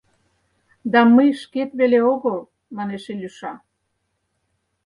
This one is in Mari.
Да мый шкет веле огыл, — манеш Илюша;